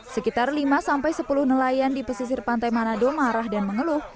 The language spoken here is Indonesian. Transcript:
sekitar lima sampai sepuluh nelayan di pesisir pantai manado marah dan mengeluh